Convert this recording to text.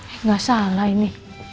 enggak salah ini